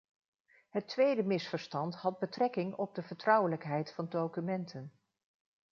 Het tweede misverstand had betrekking op de vertrouwelijkheid van documenten.